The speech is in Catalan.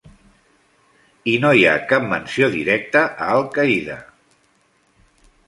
I no hi ha cap menció directa a Al-Qaeda.